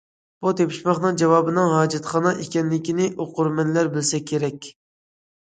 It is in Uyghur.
بۇ تېپىشماقنىڭ جاۋابىنىڭ ھاجەتخانا ئىكەنلىكىنى ئوقۇرمەنلەر بىلسە كېرەك.